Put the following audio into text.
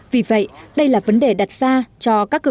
vì vậy đây là vấn đề đặt ra cho các cơ sở